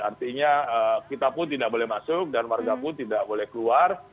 artinya kita pun tidak boleh masuk dan warga pun tidak boleh keluar